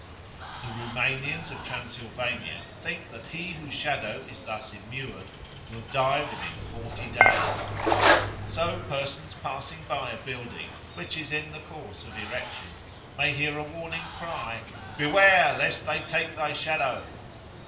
The Roumanians of Transylvania think that he whose shadow is thus immured will die within forty days; so persons passing by a building which is in course of erection may hear a warning cry, "Beware lest they take thy shadow!"